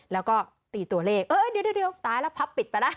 แล้วก็ตีตัวเลขเออเดี๋ยวตายแล้วพับปิดไปแล้ว